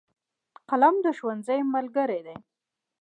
قلم د ښوونځي ملګری دی.